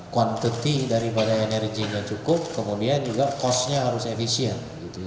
kuantiti daripada energinya cukup kemudian juga kosnya harus efisien